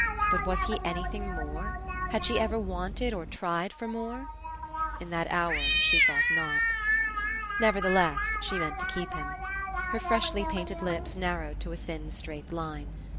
But was he anything more? Had she ever wanted or tried for more ? In that hour she thought not. Nevertheless, she meant to keep him. Her freshly painted lips narrowed to a thin straight line.